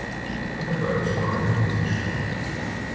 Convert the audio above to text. А тепер ось на яке зійшла!